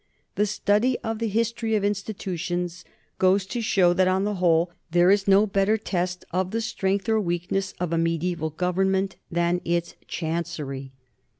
The study of the his tory of institutions goes to show that, on the whole, there is no better test of the strength or weakness of a me diaeval government than its chancery.